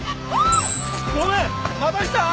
ごめん！